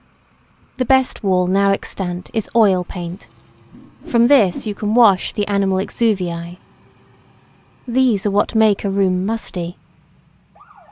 The best wall now extant is oil paint. From this you can wash the animal exuviæ. These are what make a room musty.